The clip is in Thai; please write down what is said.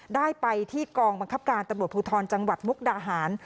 ได้ไปที่กองบังคับการตำรวจภูทรจังหวัดมุกดาหาร